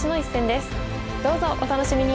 どうぞお楽しみに！